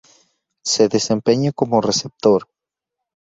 Se desempeña como receptor.